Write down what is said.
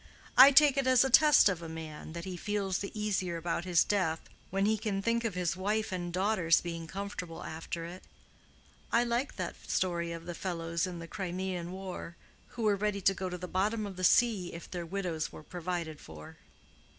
I take it as a test of a man, that he feels the easier about his death when he can think of his wife and daughters being comfortable after it. I like that story of the fellows in the Crimean war, who were ready to go to the bottom of the sea if their widows were provided for."